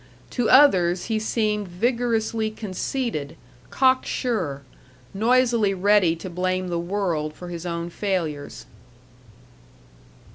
To others he seemed vigorously conceited, cock sure, noisily ready to blame the world for his own failures.